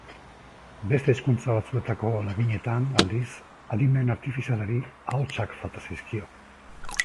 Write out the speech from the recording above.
Beste hizkuntza batzuetako laginetan, aldiz, adimen artifizialari ahotsak falta zaizkio.